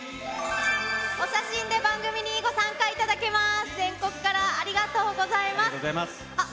お写真で番組にご参加いただけます。